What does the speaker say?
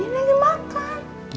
dia lagi makan